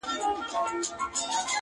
• زموږ پر زخمونو یې همېش زهرپاشي کړې ده.